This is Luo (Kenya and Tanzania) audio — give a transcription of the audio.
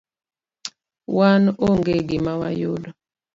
wan onge gima wayudo.